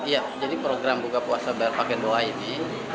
ya jadi program buka puasa berpakaian doa ini